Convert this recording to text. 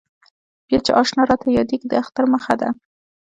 بیا چې اشنا راته یادېږي د اختر مخه ده.